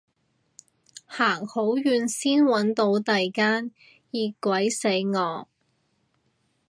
行好遠先搵到第間，熱鬼死我